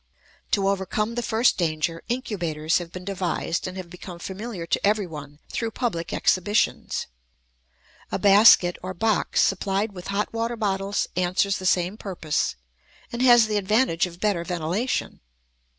To overcome the first danger, incubators have been devised and have become familiar to everyone through public exhibitions. A basket or box supplied with hot water bottles answers the same purpose, and has the advantage of better ventilation.